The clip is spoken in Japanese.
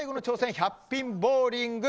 １００ピンボウリング